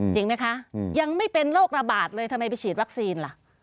จริงไหมคะยังไม่เป็นโรคระบาดเลยทำไมไปฉีดวัคซีนล่ะ